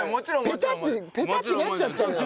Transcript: ペタッてペタッてなっちゃったのよ。